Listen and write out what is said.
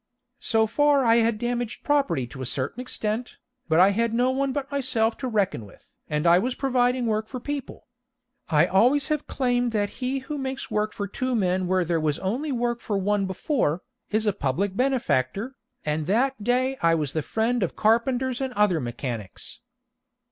So far I had damaged property to a certain extent, but I had no one but myself to reckon with, and I was providing work for people. I always have claimed that he who makes work for two men where there was only work for one before, is a public benefactor, and that day I was the friend of carpenters and other mechanics.